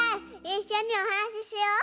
いっしょにおはなししよう！